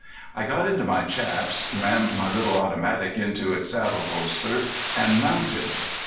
I got into my chaps, rammed my little automatic into its saddle holster and mounted.